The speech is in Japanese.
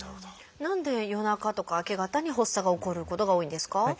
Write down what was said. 何で夜中とか明け方に発作が起こることが多いんですか？